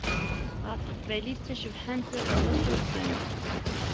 Ɣef teqbaylit, d tacebḥant, iḍ d wass ur gganeɣ.